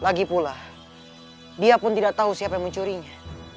lagi pula dia pun tidak tahu siapa yang mencurinya